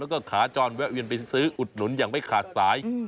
แล้วก็ขาจรแวะเวียนไปซื้ออุดหนุนอย่างไม่ขาดสาย